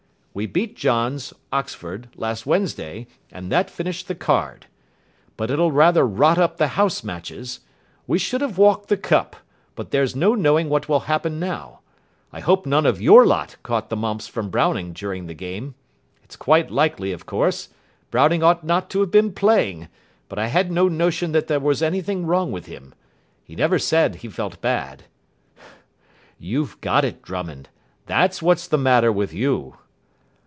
We beat John's, Oxford, last Wednesday, and that finished the card. But it'll rather rot up the House matches. We should have walked the cup, but there's no knowing what will happen now. I hope none of your lot caught the mumps from Browning during the game. It's quite likely, of course. Browning ought not to have been playing, but I had no notion that there was anything wrong with him. He never said he felt bad.' You've got it, Drummond. That's what's the matter with you."